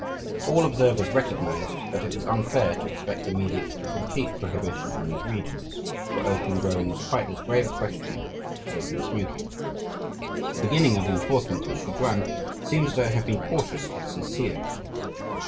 All observers recognized that it was unfair to expect immediate and complete prohibition in these regions, where opium growing is quite as grave a question as opium smoking. The beginning of the enforcement in Sze chuan seems to have been cautious but sincere.